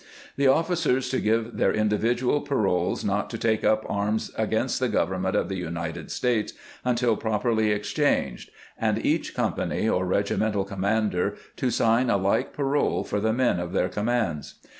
The officers to give their individual paroles not to take up arms against the Government of the United States until properly [exchanged], and each company or regimental commander to sign a like parole for the men of their commands.